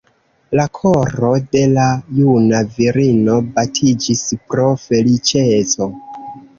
La koro de la juna virino batiĝis pro feliĉeco.